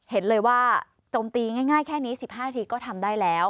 เห็นเลยว่าโจมตีง่ายแค่นี้๑๕นาทีก็ทำได้แล้ว